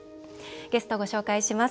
ゲスト、ご紹介します。